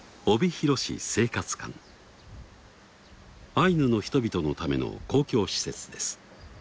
アイヌの人々のための公共施設です。